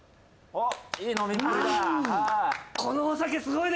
あっ！？